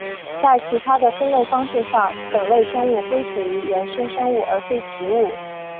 在其他的分类方式上本类生物归属于原生生物而非植物。